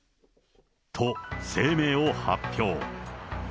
と、声明を発表。